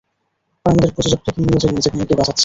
আর আমাদের প্রযোজক ব্রেকিং নিউজের মেয়েকে বাজাচ্ছে!